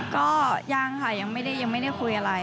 ก็ยังค่ะยังไม่ได้คุยอะไร